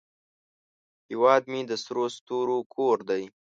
هیواد مې د سرو ستورو کور دی